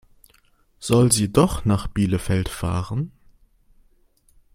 Soll sie doch nach Bielefeld fahren?